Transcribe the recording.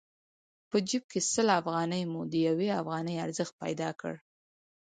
په جېب کې سل افغانۍ مو د يوې افغانۍ ارزښت پيدا کړ.